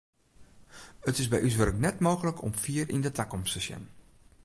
It is by ús wurk net mooglik om fier yn de takomst te sjen.